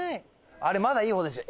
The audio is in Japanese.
あれまだいい方ですよ